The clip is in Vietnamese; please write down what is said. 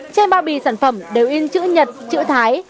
trên bao bì sản phẩm đều in chữ nhật chữ thái